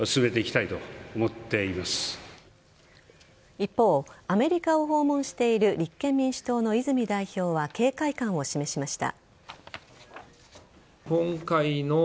一方、アメリカを訪問している立憲民主党の泉代表は警戒感を示しました。